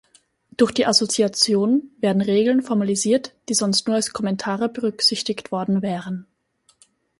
Durch die Assoziation werden Regeln formalisiert die sonst nur als Kommentare berücksichtigt worden wären.